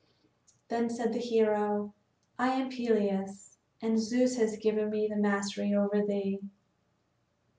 Then said the hero: "I am Peleus, and Zeus has given me the mastery over thee.